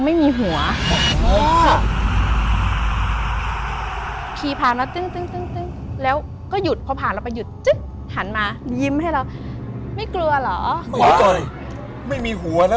ไม่มีหัวแล้วเขาหันมายิ้มหรือยังไง